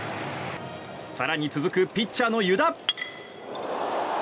更に続くピッチャーの湯田。